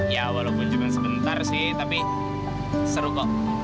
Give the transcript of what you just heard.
ya walaupun cuma sebentar sih tapi seru kok